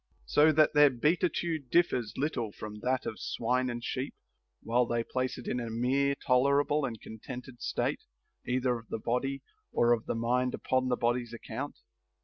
So that their beatitude differs little from that of swine and sheep, while they place it in a mere tolerable and contented state, either of the body, or of the mind upon the body's account.